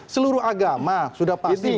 seluruh agama sudah pasti